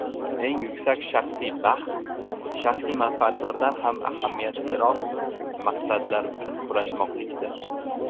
Eng yuksak shaxsiy baxt shaxsiy manfaatlardan ham ahamiyatliroq maqsadlar uchun kurashmoqlikdir.